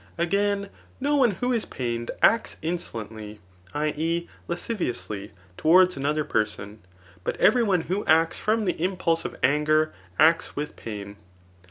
Again, no one who is pained acts insolently [i. e. lasciviou8ly3 to'nrards another person ; but every one who acts from the impulse of anger, acts with pain.